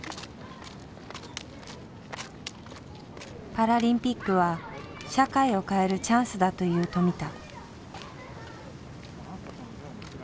パラリンピックは社会を変えるチャンスだという富田。